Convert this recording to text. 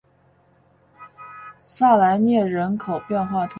萨莱涅人口变化图示